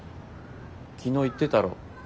昨日言ってたろ。